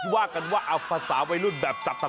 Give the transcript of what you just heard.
ว่ากันว่าเอาภาษาวัยรุ่นแบบสับ